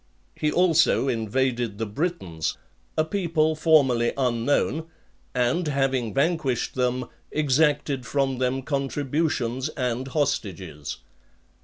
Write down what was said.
He also invaded the Britons, a people formerly unknown, and having vanquished them, exacted from them contributions and hostages.